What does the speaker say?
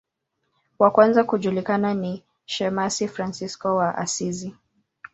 Wa kwanza kujulikana ni shemasi Fransisko wa Asizi.